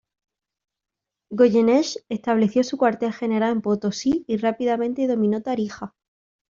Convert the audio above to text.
Goyeneche estableció su cuartel general en Potosí y rápidamente domino Tarija.